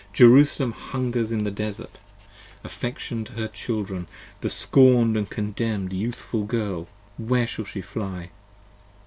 Jerusalem hungers in the desart; affection to her children! The scorn'd and contemn'd youthful girl, where shall she fly?